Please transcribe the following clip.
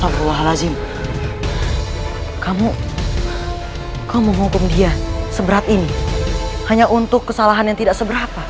kamu kau menghukum dia seberat ini hanya untuk kesalahan yang tidak seberapa